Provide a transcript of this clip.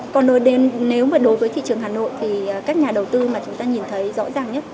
còn nếu mà đối với thị trường hà nội thì các nhà đầu tư mà chúng ta nhìn thấy rõ ràng nhất